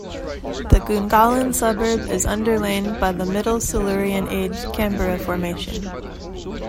The Gungahlin suburb is underlain by the middle Silurian age Canberra Formation.